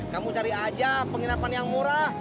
kamu cari aja penginapan yang murah